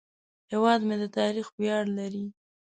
هیواد مې د تاریخ ویاړ لري